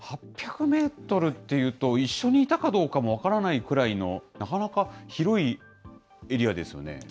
８００メートルっていうと、一緒にいたかどうかも分からないくらいの、なかなか広いエリアですよね。